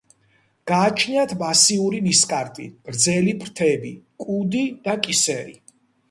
გააჩნიათ მასიური ნისკარტი, გრძელი ფრთები, კუდი და კისერი.